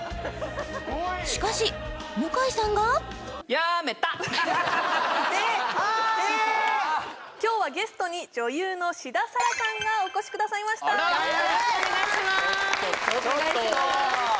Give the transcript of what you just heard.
しかし向井さんが今日はゲストに女優の志田彩良さんがお越しくださいましたよろしくお願いします